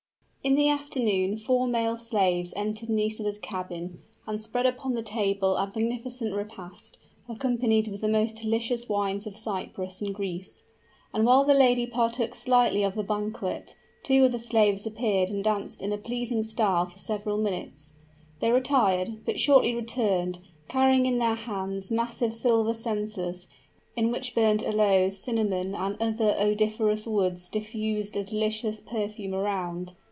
In the afternoon four male slaves entered Nisida's cabin, and spread upon the table a magnificent repast, accompanied with the most delicious wines of Cyprus and Greece and while the lady partook slightly of the banquet, two other slaves appeared and danced in a pleasing style for several minutes. They retired, but shortly returned, carrying in their hands massive silver censers, in which burnt aloes, cinnamon and other odoriferous woods diffused a delicious perfume around.